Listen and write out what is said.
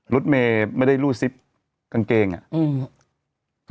รถเมย์ไม่ได้รูดซิปกางเกงอ่ะอืม